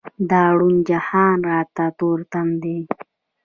دا روڼ جهان راته تور تم دی.